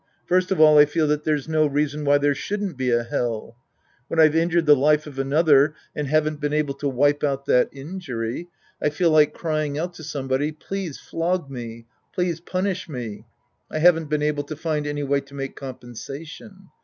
First of all I feel that there's no reason why there shouldn't be a Hell. When I've injured the life of another and haven't been able to wipe out that injury, I feel like crying out to somebody, " Please flog me, please punish me." I haven't been able to find any way to make compen sation.